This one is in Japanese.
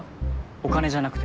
お金じゃなくて？